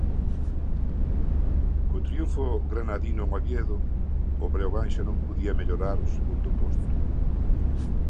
Co triunfo granadino en Oviedo, o Breogán xa non podía mellorar o segundo posto.